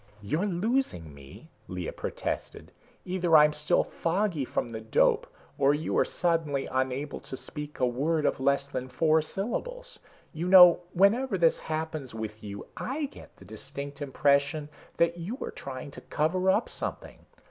"You're losing me," Lea protested. "Either I'm still foggy from the dope, or you are suddenly unable to speak a word of less than four syllables. You know whenever this happens with you, I get the distinct impression that you are trying to cover up something.